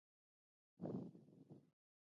وادي د افغانستان د صنعت لپاره مواد برابروي.